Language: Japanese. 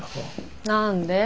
何で？